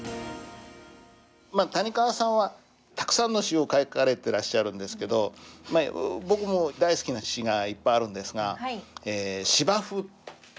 谷川さんはたくさんの詩を書かれてらっしゃるんですけど僕も大好きな詩がいっぱいあるんですが「芝生」っていう。